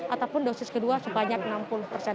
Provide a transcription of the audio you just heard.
ataupun dosis kedua sebanyak enam puluh persen